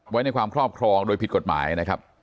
ไว้ในความครอบครองโดยผิดกฎหมายนะครับ